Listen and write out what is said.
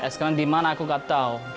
sekarang di mana aku tidak tahu